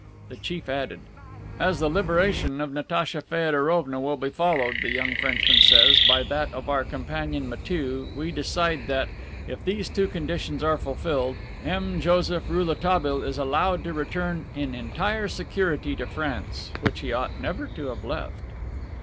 The chief added: "As the liberation of Natacha Feodorovna will be followed, the young Frenchman says, by that of our companion Matiew, we decide that, if these two conditions are fulfilled, M. Joseph Rouletabille is allowed to return in entire security to France, which he ought never to have left."